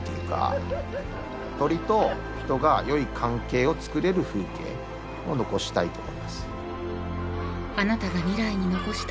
鶏と人が良い関係をつくれる風景を残したいと思います。